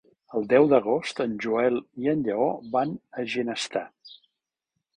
El deu d'agost en Joel i en Lleó van a Ginestar.